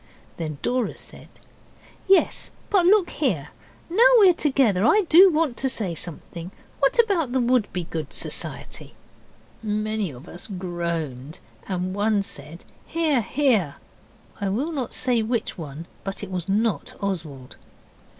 Then Dora said, 'Yes, but look here. Now we're together I do want to say something. What about the Wouldbegoods Society?' Many of us groaned, and one said, 'Hear! hear!' I will not say which one, but it was not Oswald.